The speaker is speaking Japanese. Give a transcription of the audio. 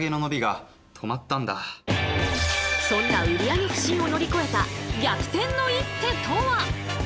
そんな売り上げ不振を乗り越えた逆転の一手とは？